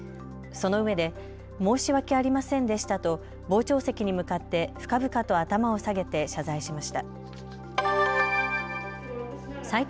そのうえで申し訳ありませんでしたと傍聴席に向かって深々と頭を下げて謝罪しました。